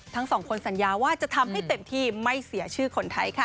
ทั้งสองคนสัญญาว่าจะทำให้เต็มที่ไม่เสียชื่อคนไทยค่ะ